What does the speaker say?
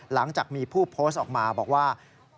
หลังจากมีผู้โพสต์ออกมาบอกว่า